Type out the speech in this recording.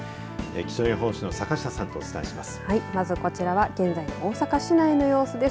気象予報士の坂下さんとお伝えします。